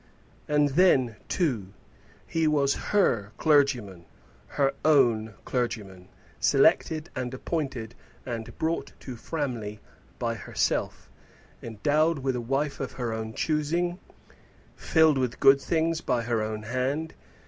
And then, too, he was her clergyman, her own clergyman, selected, and appointed, and brought to Framley by herself, endowed with a wife of her own choosing, filled with good things by her own hand!